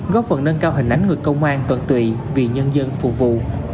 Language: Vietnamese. góp phần nâng cao hình ảnh người công an tuần tụy vì nhân dân phục vụ